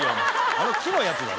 あの木のやつだろ。